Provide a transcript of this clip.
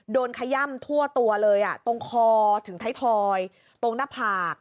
ขย่ำทั่วตัวเลยตรงคอถึงไทยทอยตรงหน้าผาก